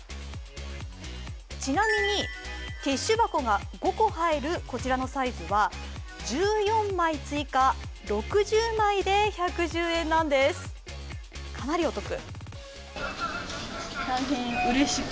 ちなみにティッシュ箱が５個入るこちらのサイズは１４枚追加、６０枚で１１０円なんです、かなりお得。